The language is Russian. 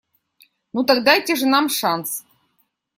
Ну так дайте же нам шанс.